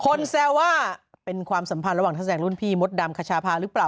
แซวว่าเป็นความสัมพันธ์ระหว่างนักแสดงรุ่นพี่มดดำคชาพาหรือเปล่า